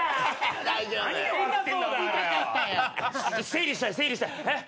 整理したい整理したい。